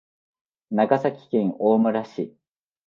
長崎県大村市